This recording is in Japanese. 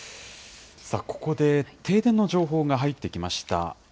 ここで停電の情報が入ってきました。